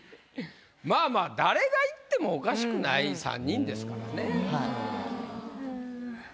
まぁまぁ誰がいってもおかしくない３人ですからね。